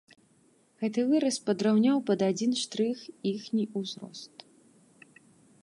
Гэты выраз падраўняў пад адзін штрых іхні ўзрост.